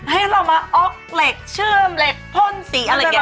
ให้เรามาอ๊อกเหล็กเชื่อมเหล็กพ่นสีอะไรอย่างนี้